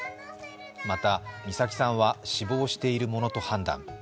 また、美咲さんは死亡しているものと判断。